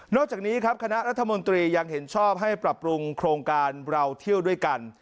จากนี้ครับคณะรัฐมนตรียังเห็นชอบให้ปรับปรุงโครงการเราเที่ยวด้วยกัน